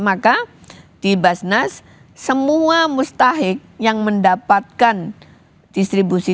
maka di basnas semua mustahik yang mendapatkan distribusi